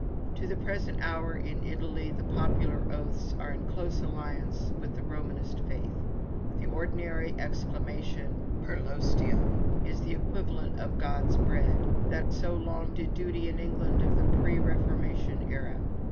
To the present hour, in Italy, the popular oaths are in close alliance with the Romanist faith. The ordinary exclamation "Per l'ostia" is the equivalent of "God's bread!" that so long did duty in England of the pre Reformation era.